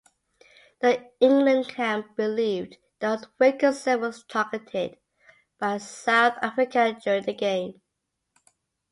The England camp believed that Wilkinson was targeted by South Africa during the game.